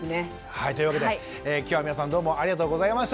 はいというわけで今日は皆さんどうもありがとうございました。